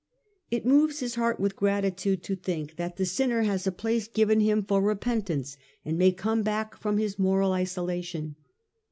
It moves his heart with gratitude to think that the sinner has a place given him for repentance, and may come back from his moral isolation.